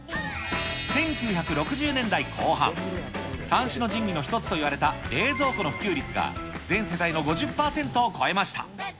１９６０年代後半、三種の神器の一つと言われた冷蔵庫の普及率が、全世帯の５０％を超えました。